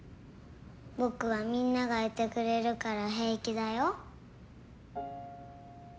僕はみんながいてくれるから平気だよ。